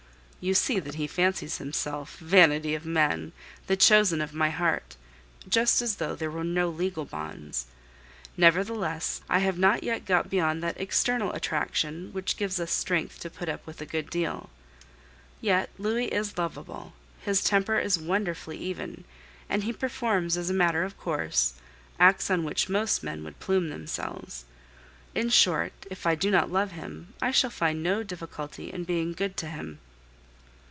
You see that he fancies himself vanity of men! the chosen of my heart, just as though there were no legal bonds. Nevertheless, I have not yet got beyond that external attraction which gives us strength to put up with a good deal. Yet Louis is lovable; his temper is wonderfully even, and he performs, as a matter of course, acts on which most men would plume themselves. In short, if I do not love him, I shall find no difficulty in being good to him.